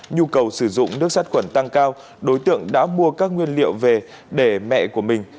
nhu cầu sử dụng nước sát khuẩn tăng cao đối tượng đã mua các nguyên liệu về để mẹ của mình